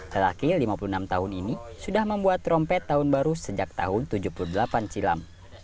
lelaki lima puluh enam tahun ini sudah membuat trompet tahun baru sejak tahun seribu sembilan ratus tujuh puluh delapan silam